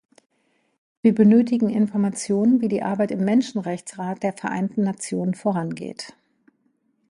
Wir benötigen Informationen, wie die Arbeit im Menschenrechtsrat der Vereinten Nationen vorangeht.